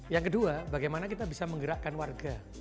yang kedua bagaimana kita bisa menggerakkan warga